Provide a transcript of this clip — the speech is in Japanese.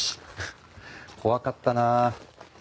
怖かったなあ。